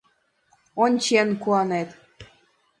Ончен куанет!